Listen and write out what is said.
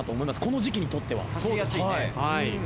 この時季にとっては。